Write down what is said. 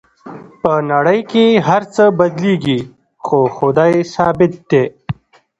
په نړۍ کې هر څه بدلیږي خو خدای ثابت دی